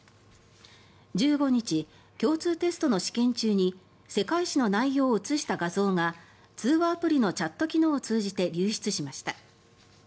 １５日、共通テストの試験中に世界史の内容を写した画像が通話アプリのチャット機能を通じて流出しました。